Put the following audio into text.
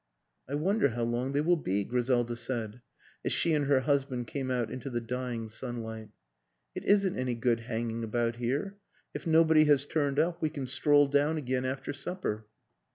" I wonder how long they will be," Griselda said, as she and her husband came out into the dying sunlight. " It isn't any good hanging about here; if nobody has turned up we can stroll down again after supper.